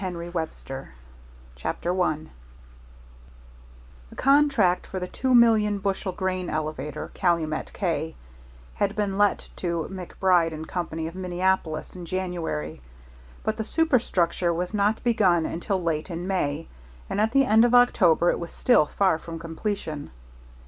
A. CALUMET "K" CHAPTER I The contract for the two million bushel grain elevator, Calumet K, had been let to MacBride & Company, of Minneapolis, in January, but the superstructure was not begun until late in May, and at the end of October it was still far from completion.